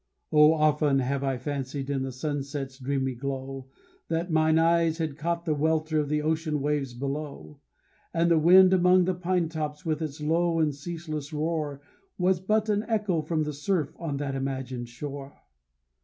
Oh, often have I fancied, in the sunset's dreamy glow, That mine eyes had caught the welter of the ocean waves below; And the wind among the pine tops, with its low and ceaseless roar, Was but an echo from the surf on that imagined shore.